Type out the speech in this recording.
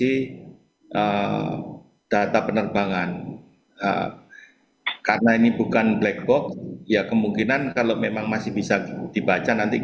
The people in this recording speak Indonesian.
data data penerbangan seperti kondisi mesin kecepatan ketinggian dan ada beberapa parameter yang saya lupa apa saja parameternya